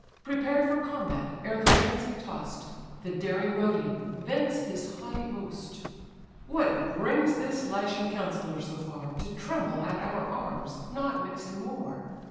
Prepared for combat, ere the lance he toss'd, The daring Rhodian vents his haughty boast: "What brings this Lycian counsellor so far, To tremble at our arms, not mix in war!